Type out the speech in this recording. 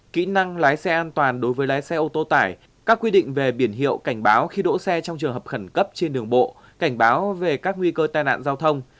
kỹ năng lái xe an toàn đối với lái xe ô tô tải các quy định về biển hiệu cảnh báo khi đỗ xe trong trường hợp khẩn cấp trên đường bộ cảnh báo về các nguy cơ tai nạn giao thông